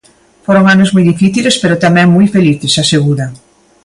"Foron anos moi difíciles pero tamén moi felices", asegura.